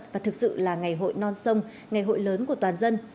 và thực sự là ngày hội non sông ngày hội lớn của toàn dân